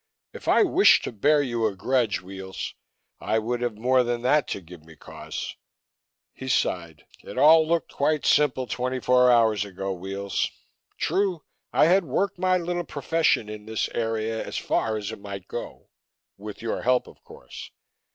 "If I wished to bear you a grudge, Weels, I would have more than that to give me cause." He sighed. "It all looked quite simple twenty four hours ago, Weels. True, I had worked my little profession in this area as far as it might go with your help, of course.